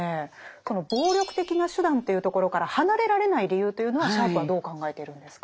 その暴力的な手段というところから離れられない理由というのはシャープはどう考えているんですか？